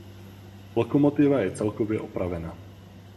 Lokomotiva je celkově opravena.